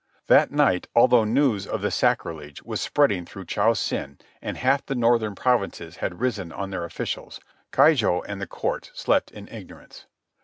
That night, although news of the sacrilege was spreading through Cho Sen and half the northern provinces had risen on their officials, Keijo and the Court slept in ignorance.